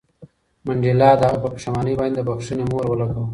منډېلا د هغه په پښېمانۍ باندې د بښنې مهر ولګاوه.